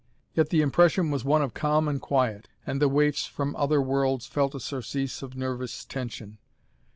Yet the impression was one of calm and quiet, and the waifs from other worlds felt a surcease of nervous tension.